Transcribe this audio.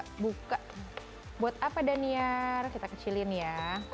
kita buka buat apa daniar kita kecilin ya